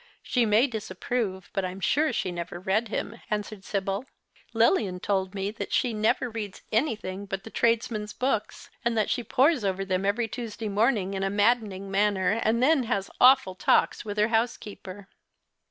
" She may disapprove, but I'm sure she never read him," answered Sibyl. " Lilian told me that she never reads anything but the tradesmen's books, and that she pores over them every Tuesday morning in a maddening manner, and then has awful talks with her housekeeper."